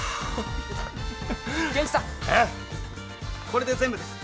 これで全部です。